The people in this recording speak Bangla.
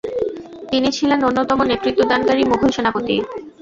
তিনি ছিলেন অন্যতম নেতৃত্বদানকারী মুঘল সেনাপতি।